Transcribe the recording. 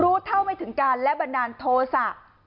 รู้เท่าไม่ถึงการและบันดาลโทษะ